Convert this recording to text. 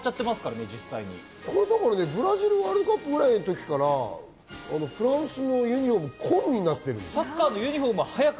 ブラジルワールドカップぐらいの時からフランスのユニホーム、紺になってるんです。